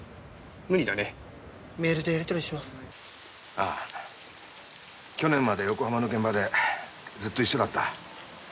ああ去年まで横浜の現場でずっと一緒だった。